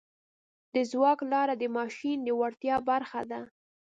د ځواک لاره د ماشین د وړتیا برخه ده.